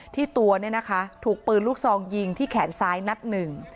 ที่ตัวทูกปืนลูกซองยิงที่แขนซ้ายนัดนึง